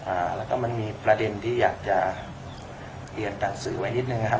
อ่าแล้วก็มันมีประเด็นที่อยากจะเรียนหนังสือไว้นิดนึงนะครับ